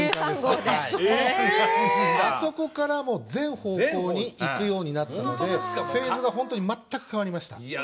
あそこから全方向に行くようになったのでフェーズが本当に全く変わりました。